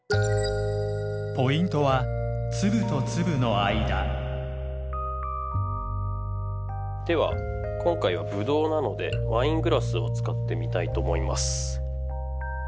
ポイントはでは今回はブドウなのでワイングラスを使ってみたいと思います。